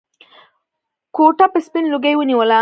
کوټه به سپين لوګي ونيوله.